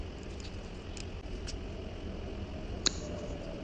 他曾发表众多有关地缘政治学与国际关系方面的着作与研究文章。